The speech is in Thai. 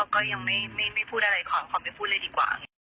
ก็ยังไม่พูดอะไรขอไม่พูดเลยดีกว่า